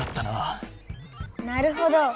なるほど。